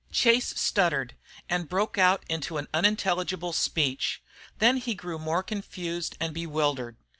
Chase stuttered and broke out into unintelligible speech. Then he grew more confused and bewildered.